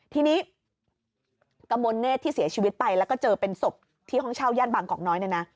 ทีนี้กระมวลเนธที่เสียชีวิตไปแล้วก็เจอเป็นศพที่ห้องเช่าย่านบางกอกน้อยเนี่ยนะ